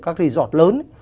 các resort lớn ấy